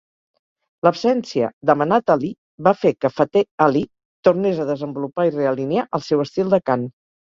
L'absència d'Amanat Ali va fer que Fateh Ali tornés a desenvolupar i realinear el seu estil de cant.